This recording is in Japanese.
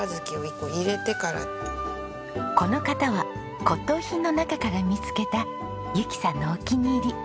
この型は骨董品の中から見つけた由紀さんのお気に入り。